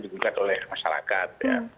digugat oleh masyarakat